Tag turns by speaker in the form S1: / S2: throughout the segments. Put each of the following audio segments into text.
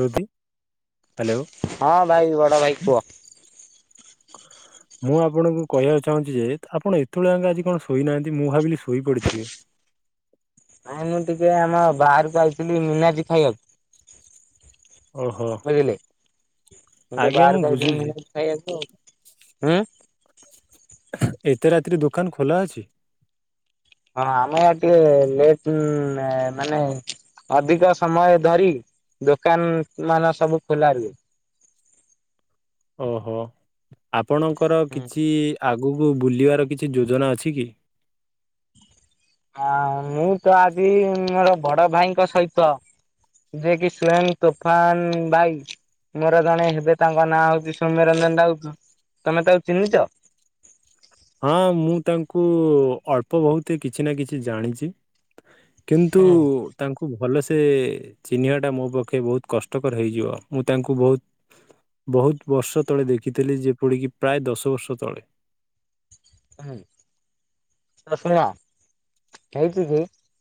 S1: ରୋଜି hello.
S2: ହଁ ଭାଇ ବଡ ଭାଇ କୁଅ। ଆ [inaudible]
S1: ମୁଁ ଆପଣଙ୍କୁ କହିବାକୁ ଚାହୁଁଛି ଯେ ଆପଣ ଏତେବେଳ ଆଙ୍କେ ଆଜି କଣ ଶୋଇନାହାନ୍ତି ମୁଁ ଭାବିଲି ଶୋଇପଡିଥିବେ।
S2: ନାଇ ମୁଁ ଟିକେ ଆମ ବାହାରକୁ ଆଇଥିଲି ମିନାଜି ଖାଇବାକୁ।
S1: ଓହୋ
S2: ବୁଝିଲେ ମୁଁ
S1: ଆଜ୍ଞା
S2: ବାହରକୁ ଆଇଥିଲି
S1: ବୁଝୁଛି
S2: ମିନା [unintelligible] ଖାଇବାକୁ ଉଁ
S1: ଏତେ ରାତିରେ ଦୋକାନ ଖୋଲା ଅଛି।
S2: ହଁ ଆମେ ଟିକେ ଲେଟ ମାନେ ଅଧିକ ସମୟ ଧରି ଦୋକାନ ମାନ ସବୁ ଖୋଲା ରୁହେ
S1: ଓହୋ ଆପଣଙ୍କର କିଛି ଆଗକୁ ବୁଲିବାର କିଛି ଯୋଜନା ଅଛି କି?
S2: ଆ ମୁଁ ତ ଆଜି ମୋର ବଡ ଭାଇଙ୍କ ସହିତ ଯିଏ କି ସ୍ଵୟଂ ତୁଫାନ ଭାଇ ମୋର ଜଣେ ହେବେ ତାଙ୍କ ନାଁ ହଉଛି ସୌମ୍ୟ ରଞ୍ଜନ ରାଉତ ତମେ ତାକୁ ଚିହ୍ନିଛ?
S1: ହଁ ମୁଁ ତାଙ୍କୁ ଅଳ୍ପ ବହୁତ କିଛି ନା କିଛି ଜାଣିଛି। କିନ୍ତୁ
S2: ହୁଁ
S1: ତାଙ୍କୁ ଭଲସେ ସେ ଚିହ୍ନିବା ଟା ମୋ ପକ୍ଷେ ବହୁତ କଷ୍ଟକର ହେଇଯିବ ମୁଁ ତାଙ୍କୁ ବହୁତ ବହୁତ ବର୍ଷ ତଳେ ଦେଖିଥିଲି ଯେପରିକି ପ୍ରାୟ ଦଶ ବର୍ଷ ତଳେ।
S2: ହ ଶୁଣିବା ହେଇଚି ଜେ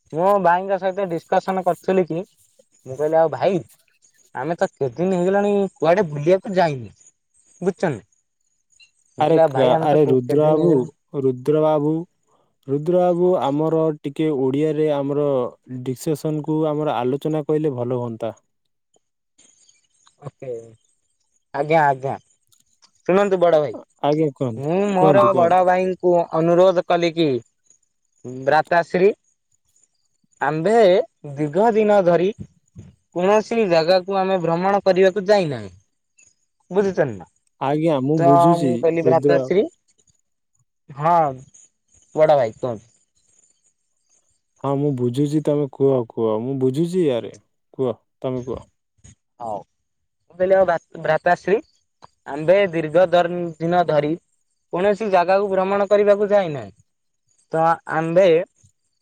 S2: କି ମୁଁ ଭାଇଙ୍କ ସହିତ ଡିସକସନ କରିଥିଲି କି? ମୁଁ କହିଲି ଆଉ ଭାଇ ଆମେ ତ କେତେଦିନି ହେଇଗଲାଣି କୁଆଡେ ବୁଲିବାକୁ ଯାଇନେ ବୁଚନା?
S1: ଆରେ କ ଆରେ ରୁଦ୍ର
S2: ହେଇଗଲାଣି
S1: ବାବୁ ରୁଦ୍ରବାବୁ ରୁଦ୍ର ବାବୁ ଆମର ଟିକେ ଓଡିଆରେ ଆମର ଡିସେସନକୁୁ ଆମର ଆଲୋଚନା କହିଲେ ଭଲ ହୁଅନ୍ତା।
S2: ଓକେ ଆଜ୍ଞା ଆଜ୍ଞା। ଶୁଣନ୍ତୁ ବଡ ଭାଇ
S1: ଆଜ୍ଞା କୁହନ୍ତୁ
S2: ମୁଁ ମୋର
S1: କୁହନ୍ତୁ
S2: ବଡ
S1: କୁହନ୍ତୁ
S2: ଭାଇ କୁ ଅନୁରୋଧ କଲି କି ବ୍ରାତାଶ୍ରୀ ଆମ୍ଭେ ଦୀର୍ଘ ଦିନ ଧରି କୌଣସି ଜାଗାକୁ ଆମେ ଭ୍ରମଣ କରିବାକୁ ଯାଇନାହିଁ ବୁଝୁଚନ୍ତି ନା?
S1: ଆଜ୍ଞା। ମୁଁ
S2: ତ
S1: ବୁଝୁଛି
S2: ମୁଁ କହିଲି
S1: ରୁଦ୍ର
S2: ଭ୍ରାତାଶ୍ରୀ ହଁ ବଡ ଭାଇ କୁହନ୍ତୁ।
S1: ହଁ ମୁଁ ବୁଝୁଛି ତମେ କୁହ କୁହ ମୁଁ ବୁଝୁଛି ଆରେ କୁହ ତମେ କୁହ।
S2: ହଉ ମୁଁ କହିଲି ଆଉ ଭା ଭ୍ରାତାଶ୍ରୀ ଆମ୍ଭେ ଦୀର୍ଘ ର୍ଦ ଦିନ ଧରି କୌଣସି ଜାଗାକୁ ଭ୍ରମଣ କରିବାକୁ ଯାଇନାହେଁ ତ ଆମ୍ଭେ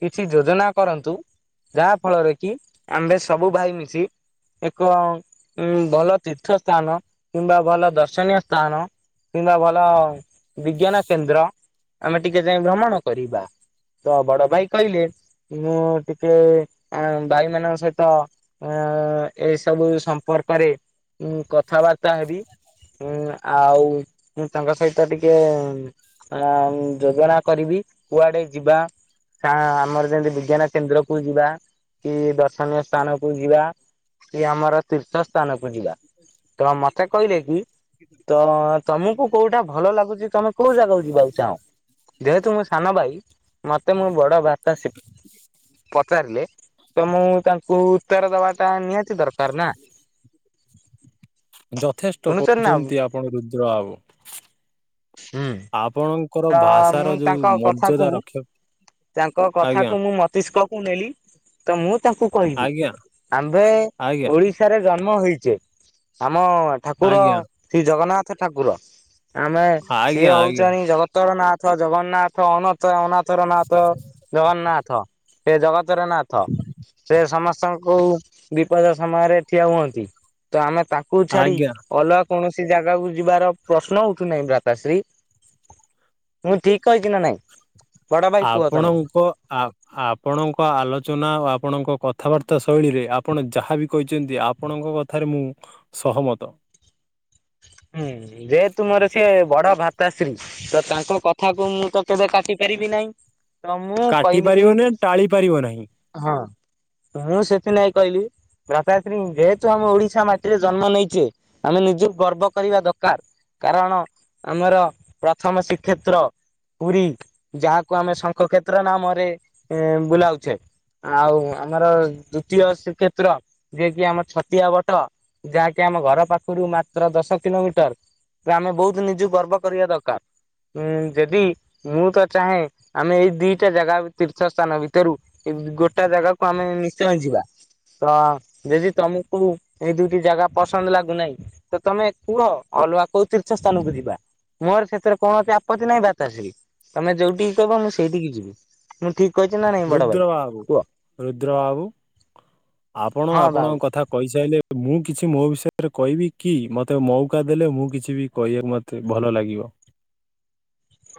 S2: କିଛି ଯୋଜନା କରନ୍ତୁ ଯାହା ଫଳରେ କି ଆମ୍ଭେ ସବୁ ଭାଇ ମିଶି କ ଉଁ ଭଲ ତୀର୍ଥ ସ୍ଥାନ କିମ୍ବା ଭଲ ଦର୍ଶନୀୟ ସ୍ଥାନ କିମ୍ବା ଭଲ ବିଜ୍ଞାନ କେନ୍ଦ୍ର ଆମେ ଟିକେ ଯାଇ ଭ୍ରମଣ କରିବା। ତ ବଡ ଭାଇ କହିଲେ ମୁଁ ଟିକେ ଆଁ ଭାଇମାନଙ୍କ ସହିତ ଏଁ ଏ ସବୁ ସମ୍ପର୍କରେ ଉଁ କଥାବାର୍ତ୍ତା ହେବି ଉଁ ଆଉ ମୁଁ ତାଙ୍କ ସହିତ ଟିକେ ଅଁ ଯୋଜନା କରିବି କୁଆଡେ ଯିବା କାଁ ଆମର ଯେମିତି ବିଜ୍ଞାନ କେନ୍ଦ୍ରକୁୁ ଯିବା କି ଦର୍ଶନୀୟ ସ୍ଥାନ କୁ ଯିବା କି ଆମର ତୀର୍ଥ ସ୍ଥାନକୁ ଯିବା। ତ ମତେ କହିଲେ କି ତ ତମକୁ କୋଉଟା ଭଲ ଲାଗୁଚି ତମେ କୋଉ ଜାଗାକୁ ଯିବାକୁ ଚାହଁ ଯେହେତୁ ମୁଁ ସାନ ଭାଇ ମତେ ମୋ ବ ତ ଭ୍ରାତାଶ୍ରୀ ପଚାରିଲେ ତ ମୁଁ ତାଙ୍କୁ ଉତ୍ତର ଦବାଟା ନିହାତି ତି ଦରକାର ନା।
S1: ଯଥେଷ୍ଟ
S2: ଶୁଣୁଛନ୍ତି ନା ହୁଁ
S1: କହୁଛନ୍ତି ଆପଣ ରୁଦ୍ର ବାବୁ ଆପଣ
S2: ତ ମୁଁ ତାଙ୍କ କଥାକୁ ତାଙ୍କ
S1: ଆଜ୍ଞା
S2: କଥାକୁ ମୁଁ ମତିଷ୍କ କୁ ନେଲି ତ ମୁଁ ତାଙ୍କୁ କହିବି
S1: ଆଜ୍ଞା
S2: ଆମ୍ଭେ
S1: ଆଜ୍ଞା
S2: ଓଡି ଶରେ ଜନ୍ମ ହୋଇଚେ ଆମ ଠାକୁର
S1: ଆଜ୍ଞା
S2: ଶ୍ରୀ ଜଗନ୍ନାଥ ଠାକୁର ଆମେ
S1: ଆଜ୍ଞା
S2: ସିଏ
S1: ଆଜ୍ଞା ଆଜ୍ଞା
S2: ହଉଚନ୍ତି ଜଗତରନାଥ ଜଗନ୍ନାଥ ଅନଚ ଅନ ଥ ର ନାଥ ଜଗନ୍ନାଥ ସେ ଜଗତର ନାଥ ସେ ସମସ୍ତ ସ୍ତଙ୍କୁ ବିପଦ ସମୟରେ ଠିଆ ହୁଅନ୍ତି ତ ଆମେ ତାଙ୍କୁ ଛାଡି
S1: ଆଜ୍ଞା
S2: ଅଲଗା କୌଣସି ଜାଗାକୁ ଯିବାର ପ୍ରଶ୍ନ ଉଠୁନାହିଁ ଭ୍ରାତାଶ୍ରୀ। ମୁଁ ଠିକ କହିଚି ନା ନାଇଁ? ବଡ ଭାଇ କୁହ ତମେ?
S1: ଆପଣଙ୍କ ଆ ଆପଣଙ୍କ ଆଲୋଚନା ଓ ଆପଣଙ୍କ କଥାବାର୍ତ୍ତା ଶୈଳୀରେ ଆପଣ ଯାହାବି କହିଛନ୍ତି ଆପଣଙ୍କ କଥାରେ ମୁଁ ସହମତ।
S2: ହୁଁ ଯେହେତୁ ମୋର ସେ ବଡ ଭ୍ରାତାଶ୍ରୀ ତ ତାଙ୍କ କଥାକୁ ମୁଁ ତ କେବେ କାଟି ପାରିବି ନାହିଁ ତ ମୁଁ
S1: କାଟି
S2: କହିଲି କି
S1: ପାରିବନି ଟାଳି ପାରିବ ନାହିଁ
S2: ହଁ ମୁଁ ସେଥି ନାଗି କହିଲି ଭ୍ରାତାଶ୍ରୀ ଯେହେତୁ ଆମ ଓଡିଶା ମାଟିରେ ଜନ୍ମ ନେଇଚେ ଆମେ ନିଜୁକୁ ଗର୍ବ କରିବା ଦକାର କାରଣ ଆମର ପ୍ରଥମ ଶ୍ରୀକ୍ଷେତ୍ର ପୁରୀ ଯାହାକୁ ଆମେ ଶଙ୍ଖ କ୍ଷେତ୍ର ନାମରେ ଏଁ ବୁଲାଉଛେ। ଆଉ ଆମର ଦ୍ଵିତୀୟ ଶ୍ରୀକ୍ଷେତ୍ର ଯିଏ କିି ଆମର ଛତିଆ ବଟ। ଯାହାକି ଆମ ଘର ପାଖରୁ ମା ଦଶ କିଲୋମିଟର ଆମେ ବହୁତ ନିଜକୁ ଗର୍ବ କରିବା ଦରକାର ଉଁ ଯଦି ମୁଁ ତ ଚାହେଁ ଆମେ ଏଇ ଦିଟା ଜାଗା ତୀର୍ଥ ସ୍ଥାନ ଭିତରୁ ଗୋଟା ଜାଗାକୁ ଆମେ ନିଶ୍ଚୟ ଯିବା। ତ ଯଦି ତମକୁ ଏଇ ଦୁଇଟି ଜାଗା ପସନ୍ଦ ଲାଗୁନାହିଁ ତ ତମେ କୁହ ଅଲୁଆ କୋଉ ତୀର୍ଥ ସ୍ଥାନକୁ ଯିବା। ମୋର ସେଥିରେ କୌଣସି ଆପତ୍ତି ନାହିଁ ଭ୍ରାତାଶ୍ରୀ ତମେ ଯୋଉଠିକି କହିବ ମୁଁ ସେଇଠିକି ଯିବି। ମୁଁ ଠିକ କହିଛି ନାଇଁ ବଡ ଭାଇ
S1: ରୁଦ୍ର ବାବୁ
S2: କୁହ
S1: ରୁଦ୍ର ବାବୁ ଆପଣ
S2: ହଁ ବାବୁ
S1: ଆପଣଙ୍କ କଥା କହିସାରିଲେ ମୁଁ କିଛି ମୋ ବିଷୟରେ କହିବି କି ମତେ ମଉକା ଦେଲେ ମୁଁ କିଛି ବି କହିବାକୁ ମୋତେ ଭଲ ଲାଗିବ।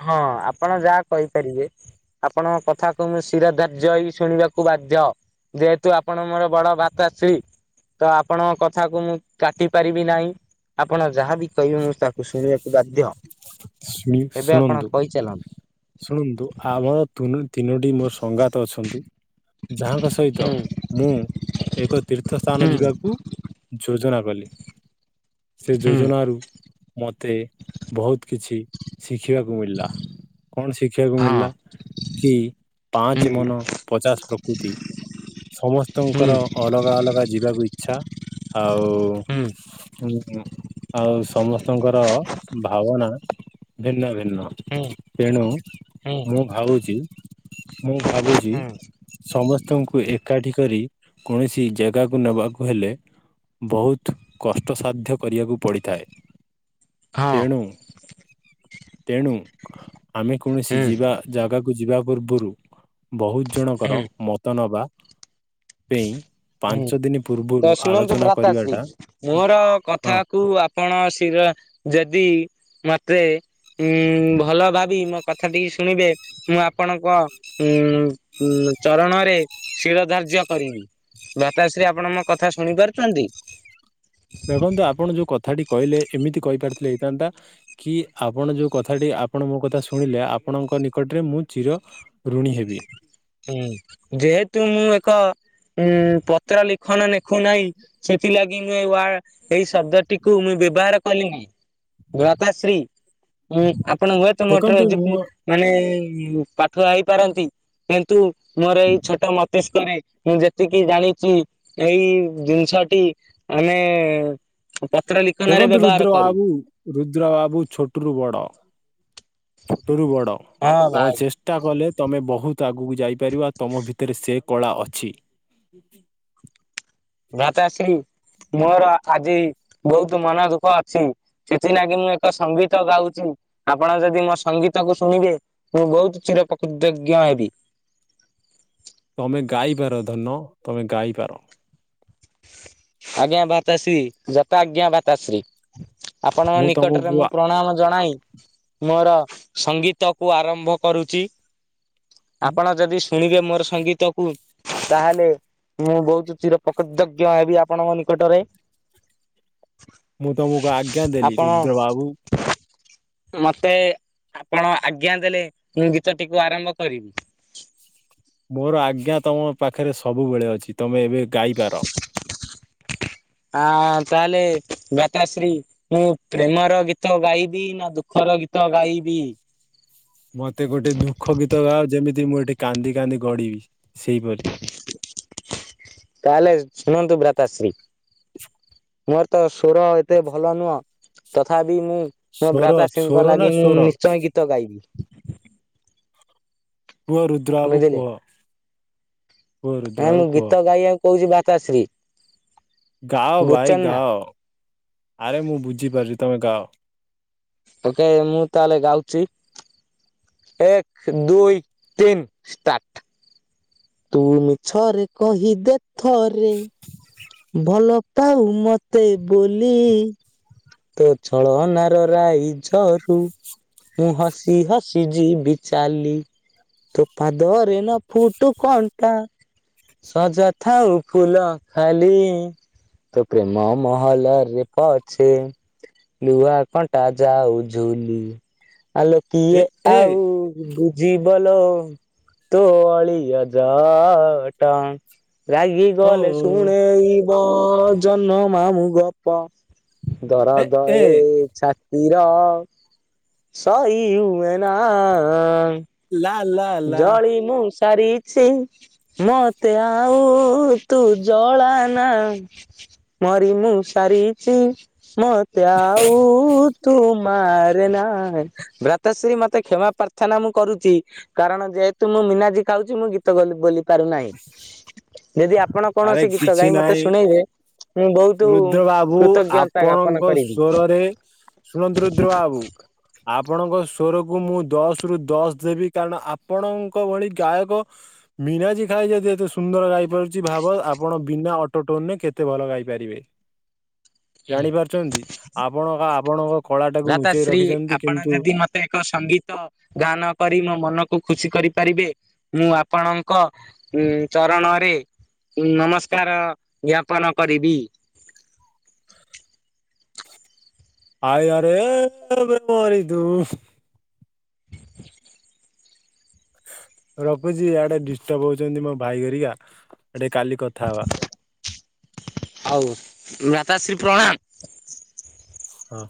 S2: ହଁ ଆପଣ ଯାହା କହିପାରିବେ ଆପଣଙ୍କ କଥାକୁ ମୁଁ ଶିର ଧାର୍ଯ୍ୟ ହେଇ ଶୁଣିବାକୁ ବାଧ୍ୟ। ଯେହେତୁ ଆପଣ ମୋର ବଡ ଭାତାଶ୍ରୀ। ତ ଆପଣଙ୍କ କଥାକୁ ମୁଁ କାଟି ପାରିବି ନାହିଁ ଆପଣ ଯାହାବି କହିବେ ମୁଁ ତା ମୁଁ ଶୁଣିବାକୁ ବାଧ୍ୟ।
S1: ଶୁଣି ଶୁଣନ୍ତୁ।
S2: ଚାଲ
S1: ଶୁଣନ୍ତୁ ଆମର ତିନି ତିନୋଟି ମୋର ସଂଘାତ ଅଛନ୍ତି। ଯାହାଙ୍କ ସହିତ
S2: ହୁଁ।
S1: ମୁଁ ଏକ ତୀର୍ଥ
S2: ହୁଁ
S1: ସ୍ଥାନ ଯିବାକୁ ଯୋଜନା କଲି। ସେ
S2: ହୁଁ
S1: ଯୋଜନାରୁ ମୋତେ ବହୁତ କିଛି ଶିଖିବାକୁ ମିଳିଲା। କଣ ଶିଖିବାକୁ
S2: ହଁ
S1: ମିଳିଲା କି ପାଞ୍ଚ
S2: ହୁଁ
S1: ମନ ପଚାଶ ପ୍ରକୃତି।
S2: ହୁଁ
S1: ସମସ୍ତଙ୍କର ଅଲଗା ଅଲଗା ଯିବାକୁ ଇଚ୍ଛା ଆଉ
S2: ହୁଁ।
S1: ହୁଁ ଆଉ ସମସ୍ତଙ୍କର ଭାବନା ଭିନ୍ନ ଭି ନ
S2: ହୁଁ
S1: ତେଣୁ
S2: ହୁଁ ହୁଁ
S1: ମୁଁ ଭାବୁଛି ମୁଁ ଭାବୁଛି ସମସ୍ତଙ୍କୁ ଏକାଠି କରି କୌଣସି ଜାଗାକୁ ନେବାକୁ ହେଲେ ବହୁତ କଷ୍ଟସାଧ୍ୟ କରିବାକୁ ପଡ଼ିଥାଏ।
S2: ହଁ
S1: ତେଣୁ ତେଣୁ ଆମେ କୌଣସି
S2: ହୁଁ
S1: ଯିବା ଜାଗାକୁ ଯିବା ପୂର୍ବରୁ ବହୁତ
S2: ହୁଁ
S1: ଜଣଙ୍କର ମତ ନବା ପେଇଁ
S2: ହୁଁ ତ ଶୁଣନ୍ତୁ ଭ୍ରାତାଶ୍ରୀ
S1: କରିବାଟା
S2: ମୋର
S1: ହଁ
S2: କଥାକୁୁ ଆ ଆପଣ ଶିର ଯଦି ମତେ ଉୁଁ ଭଲ ଭାବି ମୋ କଥା ଟିକ ଶୁଣିବେ ମୁଁ ଆପଣଙ୍କ ଉଁ ଉ ଚରଣରେ ଶିର ଧାର୍ଯ୍ୟ କରିବି ଭ୍ରାତାଶ୍ରୀ ଆପଣ ମୋ କଥା ଶୁଣି ପାରୁଛନ୍ତି?
S1: ଦେଖନ୍ତୁ ଆପଣ ଯୋଉ କ ଥାଟି କହିଲେ ଏମିତି କହିପାରିଥିଲେ ହେଇଥାନ୍ତା। କି ଆପଣ ଯେଉଁ କଥାଟି ଆପଣ ମୋ କଥା ଶୁଣିଲେ ଆପଣଙ୍କ ନିକଟରେ ମୁଁ ଚିର ଋଣୀ ହେବି।
S2: ହୁଁ ଯେହେତୁ ମୁଁ ଏକ ଉଁ ପତ୍ର ଲିଖନ ଲେଖୁନାହିଁ ସେଥିଲାଗି ମୁଁ ଏଇ ୱା ଏଇ ଶବ୍ଦ ଟିକୁ ମୁଇଁ ବ୍ୟବହାର କଲିନି। ଭାତାଶ୍ରୀ ଉ ଆପଣ ହୁଏତ ମୋଠରୁ
S1: ଦେଖନ୍ତୁ ମୁଁ
S2: ମାନେ ପାଠୁଆ ହେଇପାରନ୍ତି କିନ୍ତୁ ମୋର ଏଇ ଛୋଟ ମତ ତିଷ୍କ କରେ ମୁଁ ଯେତିକି ଜାଣିଛି ଏଇ ଜିନିଷଟି ଆମେ ପତ୍ର ଲିଖନ ରେ
S1: ଦେଖନ୍ତୁ ରୁଦ୍ର
S2: ବ୍ୟବହାର କରୁ।
S1: ବାବୁ ରୁଦ୍ର ବାବୁ ଛୋଟରୁୁ ବଡ ଛୋଟ ରୁ ବଡ
S2: ହଁ
S1: ତମେ
S2: ଭାଇ।
S1: ଚେଷ ଷ୍ଟା କଲେ ତମେ ବହୁତ ଆଗକୁ ଯାଇପାରିବ ଆଉ ତମ ଭିତରେ ସେ କଳା ଅଛି।
S2: ଭାତ୍ତାଶ୍ରୀ ମୋର ଆଜି ବହୁତ ମନ ଦୁଃଖ ଅଛି। ସେଥିଲାଗି ମୁଁ ଏକ ସଙ୍ଗୀତ ଗାଉଛି ଆପଣ ଯଦି ମୋ ସଙ୍ଗୀତ କ ଶୁଣିବେ। ମୁଁ ବହୁତ ଚିର ପ୍ରକୃତଜ୍ଞ ହେବି।
S1: ତମେ ଗାଇପାର ଧନ ତମେ ଗାଇପାର।
S2: ଆଜ୍ଞା ଭାତାଶ୍ରୀ ଯଥା ଆଜ୍ଞା ଭାତାଶ୍ରୀ। ଆପଣଙ୍କ
S1: ମୁଁ
S2: ନିକଟରେ
S1: ତମକୁ
S2: ମୁଁ
S1: ଆ
S2: ପ୍ରଣାମ ଜଣାଇ ମୋର ସଙ୍ଗୀତ କୁ ଆରମ୍ଭ କରୁଚି। ଆପଣ ଯଦି ଶୁଣିବେ ମୋର ସଙ୍ଗୀତ କୁ, ତାହେଲେ ମୁଁ ବହୁତ ଚିରପକୃତ ହେବି ଆପଣଙ୍କ ନିକଟରେ।
S1: ମୁଁ ତମକୁ ଆଜ୍ଞା ଦେଲି
S2: ଆପଣ
S1: ରୁଦ୍ର ବାବୁ।
S2: ମତେ ଆପଣ ଆଜ୍ଞା ଦେଲେ ମୁଁ ଗୀତଟିକୁ ଆରମ୍ଭ କରି
S1: ମୋର ଆଜ୍ଞା ତମ ପାଖରେ ସବୁବେଳେ ଅଛି ତମେ ଏବେ ଗାଇପାର।
S2: ଆ ତାହଲେ ଭ୍ରାତାଶ୍ରୀ ମୁଁ ପ୍ରେମର ଗୀତ ଗାଇବି ନା ଦୁଃଖର ଗୀତ ଗାଇବି?
S1: ମତେ ଗୋଟେ ଦୁଃଖ ଗୀତ ଗାଅ, ଯେମିତି ମୁଁ ଏଠି କାନ୍ଦି କାନ୍ଦି ଗଡ଼ିବି ସେଇପରି।
S2: ତାହେଲେ ଶୁଣନ୍ତୁ ଭ୍ରାତାଶ୍ରୀ।
S1: [inaudible]
S2: ମୋର ତ ସ୍ବର ଏତେ ଭଲ ନୁହଁ। ତଥାପି ମୁଁ ମୋ
S1: ସ୍ୱର
S2: ଭ୍ରାତାଶ୍ରୀ
S1: ସ୍ୱର
S2: ଙ୍କ
S1: ନା
S2: ଲାଗି ମୁଁ
S1: ସ୍ୱର
S2: ନିଶ୍ଚୟ ଗୀତ ଗାଇବି।
S1: କୁହ ରୁଦ୍ର ବାବୁ
S2: ବୁଝିଲେ।
S1: କୁହ। କୁହ ରୁଦ୍ର ବାବୁ କୁହ।
S2: କହୁଚି ଭ୍ରାତାଶ୍ରୀ।
S1: ଗାଅ ଭାଇ
S2: ବୁଝୁଛନ୍ତି ନା
S1: ଗାଅ। ଆରେ ମୁଁ ବୁଝିପାରିଲି ତମେ ଗାଅ।
S2: ଓକେ ମୁଁ ତାହେଲେ ଗାଉଚି। ଏକ, ଦୁଇ, ତିନ୍ ଷ୍ଟାର୍ଟ। ତୁ ମିଛରେ କହିଦେ ଥରେ ଭଲ ପାଉ ମତେ ବୋଲି। ତୋ ଛଳନାର ରାଇଜରୁ ମୁଁ ହସି ହସି ଯିବି ଚାଲି। ତୋ ପାଦରେ ନ ଫୁଟୁ କଣ୍ଟା। ସଜା ଥାଉ ଫୁଲ ଖାଲି। [unintelligible] ତୋ ପ୍ରେମ ମହଲ ରେ ପଛେ ଲୁହା କଣ୍ଟା ଯାଉ ଝୁଲି। ଆଲୋ
S1: ଏ
S2: କିଏ
S1: ଏ
S2: ଆଉ ବୁଝିବ ଲୋ ତୋ ଅଳି ଅଝଟ। ରାଗି
S1: ହୋ
S2: ଗଲେ ଶୁଣେଇବ ଜହ୍ନ ମାମୁଁ ଗ ପ। ଦରଦ ଏ ଛା ତିର, ସହି ହୁଏନା।
S1: ଲା ଲା ଲା
S2: ଜଳି ମୁଁ ସାରିଛି, ମତେ ଆଉ ତୁ ଜଳା ନା। ମରି ମୁଁ ସାରିଚି ମତେ ଆଉ ତୁ ମା ରେ ନା। ଭ୍ରାତାଶ୍ରୀ ମତେ କ୍ଷମା ପ୍ରାର୍ଥନା ମୁଁ କରୁଚି। କାରଣ ଯେହେତୁ ମୁଁ ମିନାଜୀ ଖାଉଚି ମୁଁ ଗୀତ ବୋଲି ବୋଲି ପାରୁନାହିଁ। ଯଦି ଆପଣ
S1: ଆରେ
S2: କୌଣସି ଗୀତ
S1: କିଛି
S2: ଗାଇ ମତେ
S1: ନାହିଁ
S2: ଶୁଣେଇବେ ମୁଁ ବହୁତ
S1: ରୁଦ୍ର ବାବୁ
S2: କୃତଜ୍ଞତା ଜ୍ଞାପନ
S1: ଆପଣଙ୍କ
S2: କରିବି।
S1: ସ୍ୱରରେ ଶୁଣନ୍ତୁ ରୁଦ୍ର ବାବୁ ଆପଣଙ୍କ ସ୍ବରକୁ ମୁଁ ଦଶ ରୁ ଦଶ ଦେବି। କାରଣ ଆପଣଙ୍କ ଭଳି ଗାୟକ ମୀରାଜୀ ଖାଇ ଯଦି ଏତେ ସୁନ୍ଦର ଗାଇପାରୁଚି ଭାବ ଆପଣ ବିନା ଅଟୋଟୋନ୍ ରେ କେତେ ଭଲ ଗାଇପାରିବେ।
S2: [inaudible]
S1: ଜାଣି ପାରୁଚନ୍ତି, ଆପଣଙ୍କ ଆପଣଙ୍କ କଳା ଟାକୁ ଲୁଚେଇ
S2: ଭ୍ରାତାଶ୍ରୀ
S1: ରଖିଛନ୍ତି,
S2: ଆପଣ
S1: କିନ୍ତୁ
S2: ଯଦି ମତେ ଏକ ସଙ୍ଗୀତ ଗାନ କରି ମୋ ମନକୁ ଖୁସି କରିପାରିବେ। ମୁଁ ଆପଣଙ୍କ ଉଁ ଚରଣରେ ନମସ୍କାର ଜ୍ଞାପନ କରିବି।
S1: ଆଇଲାରେ ଏବେ ମଣି ଧୁସ୍। ରଖୁଛି ଇଆଡେ ଡିଷ୍ଟର୍ବ ହଉଛନ୍ତି ମୋ ଭାଇ ଘରିକା ଟେ କାଲି କଥା ହବା।
S2: ହଉ ଭ୍ରାତାଶ୍ରୀ ପ୍ରଣାମ।
S1: ହଁ।